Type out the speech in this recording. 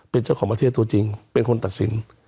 เป็นเจ้าของประเทศตัวจริงเป็นคนตัดสิน